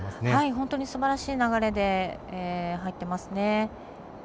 本当にすばらしい流れで入っていますね。